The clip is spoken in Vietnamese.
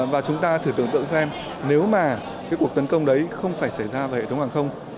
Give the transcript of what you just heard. và chúng ta thử tưởng tượng xem nếu mà cuộc tấn công đấy không phải xảy ra vào hệ thống hàng không